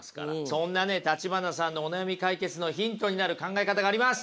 そんなね橘さんのお悩み解決のヒントになる考え方があります。